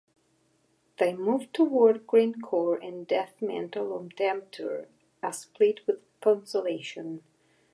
They moved toward grindcore and death metal on "Tempter", a split with Consolation.